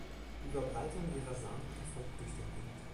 Die Verbreitung ihrer Samen erfolgt durch den Wind.